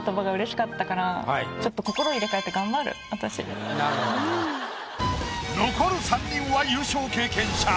ちょっと残る３人は優勝経験者。